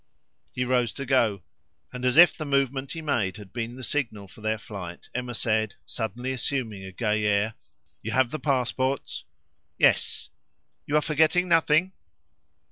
He rose to go; and as if the movement he made had been the signal for their flight, Emma said, suddenly assuming a gay air "You have the passports?" "Yes." "You are forgetting nothing?"